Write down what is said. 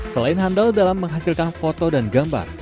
selain handal dalam menghasilkan foto dan gambar